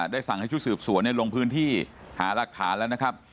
ได้สั่งให้ชุดสืบสวนลงพื้นที่หาหลักฐานแล้วนะครับ